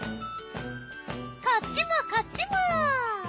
こっちもこっちも！